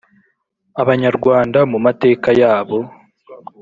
Abanyarwanda mu mateka yabo